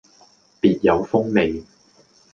別有風味